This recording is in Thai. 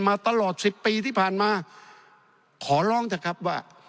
มาตลอดสิบปีที่ผ่านมาขอร้องเถอะครับว่า